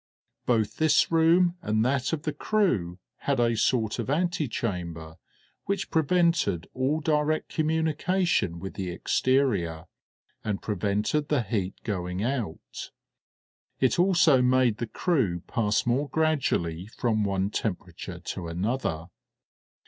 Both this room and that of the crew had a sort of antechamber, which prevented all direct communication with the exterior, and prevented the heat going out; it also made the crew pass more gradually from one temperature to another.